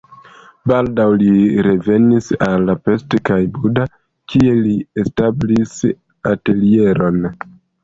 Baldaŭ li revenis al Pest kaj Buda, kie li establis atelieron.